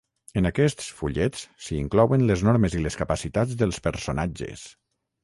En aquests fullets s'hi inclouen les normes i les capacitats dels personatges.